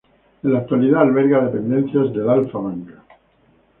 En la actualidad alberga dependencias del Alpha Bank.